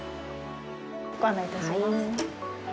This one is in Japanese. ご案内いたします。